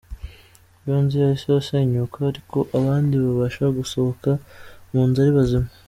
Iyo nzu yahise isenyuka ariko abandi babasha gusohoka mu nzu ari bazima.